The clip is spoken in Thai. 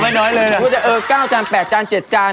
ไม่น้อยเลยนะโอเคแต่เออ๙จาน๘จาน๗จาน